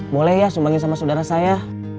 boleh ya sumbangin sama saudara saya